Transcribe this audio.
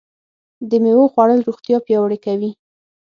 د مېوو خوړل روغتیا پیاوړې کوي.